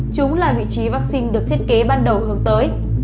chúng là vị trí vaccine được thiết kế ban đầu hướng tới